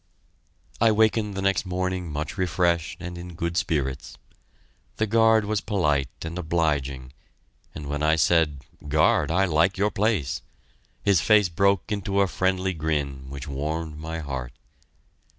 I wakened the next morning much refreshed and in good spirits. The guard was polite and obliging, and when I said, "Guard, I like your place," his face broke into a friendly grin which warmed my heart.